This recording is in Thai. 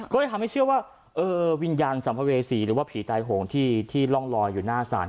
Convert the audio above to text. ก็เลยทำให้เชื่อว่าวิญญาณสัมภเวษีหรือว่าผีตายโหงที่ร่องลอยอยู่หน้าศาล